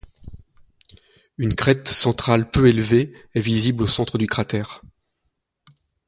Une crête central peu élevée est visible au centre du cratère.